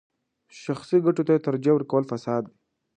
شخصي ګټو ته ترجیح ورکول فساد دی.